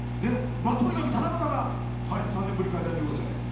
とにかく、七夕が３年ぶりに開催ということで。